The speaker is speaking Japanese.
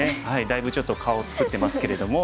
だいぶちょっと顔作ってますけれども。